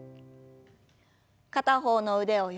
片方の腕を横に。